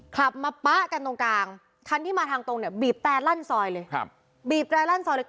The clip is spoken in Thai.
ขับมาป๊ะกันตรงกลางคันที่มาทางตรงเนี่ยบีบแต่ลั่นซอยเลย